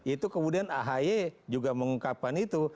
itu kemudian ahy juga mengungkapkan itu